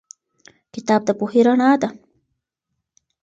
کتاب د پوهې رڼا ده.